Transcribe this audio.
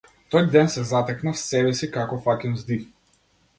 Тој ден се затекнав себе си како фаќам здив.